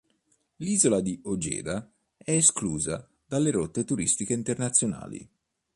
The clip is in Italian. L'isola di Ojeda è esclusa dalle rotte turistiche internazionali.